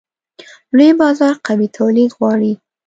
لوی بازار قوي تولید غواړي.